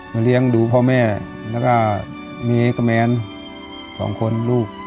เลี้ยงดูพ่อแม่แล้วก็เมียกับแมน๒คนลูก